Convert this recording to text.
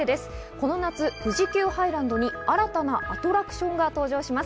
この夏、富士急ハイランドに新たなアトラクションが登場します。